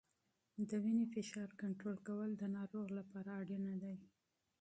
د وینې فشار کنټرول د ناروغ لپاره ضروري دی.